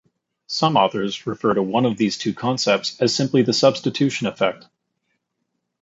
Some authors refer to one of these two concepts as simply the substitution effect.